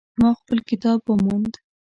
ما خپل کتاب وموند